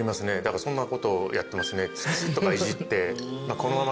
そんなことやってますね。